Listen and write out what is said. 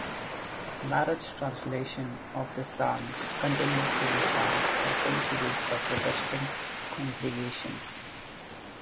Marot's translations of the Psalms continued to be sung for centuries by Protestant congregations.